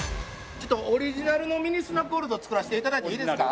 ちょっとオリジナルのミニスナックゴールドを作らせて頂いていいですか？